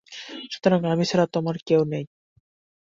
সুতরাং আমি ছাড়া তোমার কেউ নেই।